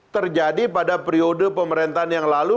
terjadi pada periode pemerintahan yang lalu